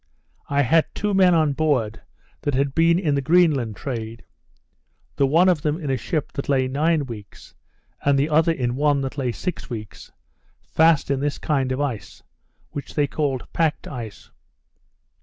I had two men on board that had been in the Greenland trade; the one of them in a ship that lay nine weeks, and the other in one that lay six weeks, fast in this kind of ice, which they called packed ice.